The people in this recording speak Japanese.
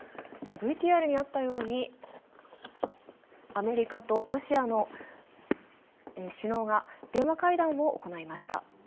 ＶＴＲにあったようにアメリカとロシアの首脳が電話会談を行いました。